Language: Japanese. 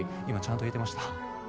今ちゃんと言えてました？